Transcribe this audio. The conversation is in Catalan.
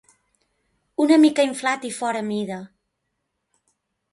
Una mica inflat i fora mida.